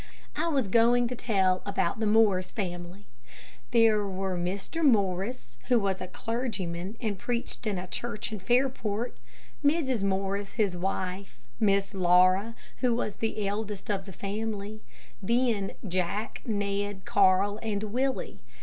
I was going to tell about the Morris family. There were Mr. Morris, who was a clergyman and preached in a church in Fairport; Mrs. Morris, his wife; Miss Laura, who was the eldest of the family; then Jack, Ned, Carl, and Willie.